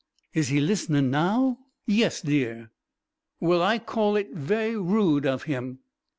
"Is He listenin' now?" "Yes, dear." "Well, I call it vewy rude of Him!"